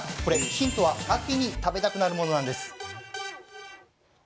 ヒントは秋に食べたくなるものです。